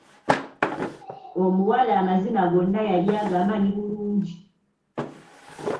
Omuwala amazina gonna yali agamanyi bulungi.